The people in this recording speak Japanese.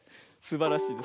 すばらしい。